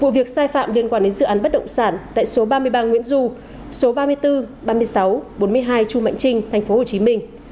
vụ việc sai phạm liên quan đến dự án bất động sản tại số ba mươi ba nguyễn du số ba mươi bốn ba mươi sáu bốn mươi hai chu mạnh trinh tp hcm